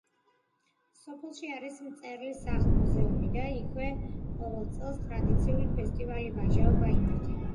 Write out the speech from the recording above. სოფელში არის მწერლის სახლ-მუზეუმი და იქვე ყოველ წელს ტრადიციული ფესტივალი „ვაჟაობა“ იმართება.